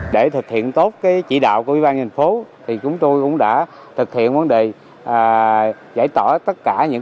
để thực hiện tốt cái chỉ đạo của ubnd phố thì chúng tôi cũng đã thực hiện vấn đề giải tỏa tất cả những